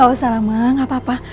gak usah lama gak apa apa